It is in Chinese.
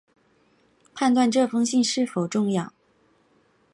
判断这封信是否重要